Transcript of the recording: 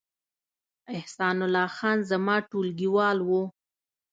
احسان الله خان زما ټولګیوال و